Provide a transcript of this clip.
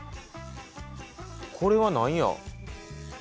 これは何や？